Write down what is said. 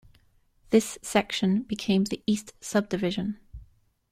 This section became the East Subdivision.